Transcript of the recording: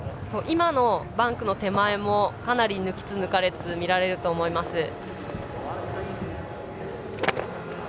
今のバンクの手前もかなり抜きつ抜かれつ見られると思います。